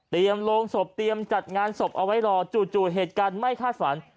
โรงศพเตรียมจัดงานศพเอาไว้รอจู่เหตุการณ์ไม่คาดฝัน